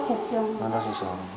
ăn khởi động không nôn